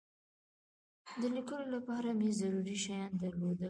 د لیکلو لپاره مې ضروري شیان درلودل.